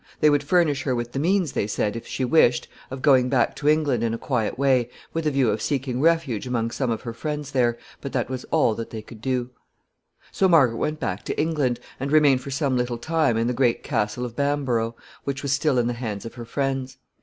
They would furnish her with the means, they said, if she wished, of going back to England in a quiet way, with a view of seeking refuge among some of her friends there, but that was all that they could do. [Sidenote: Margaret reaches Bamborough.] So Margaret went back to England, and remained for some little time in the great castle of Bamborough, which was still in the hands of her friends.